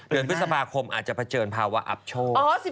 เดือนพฤษภาคมอาจจะเผชิญภาวะอับโชค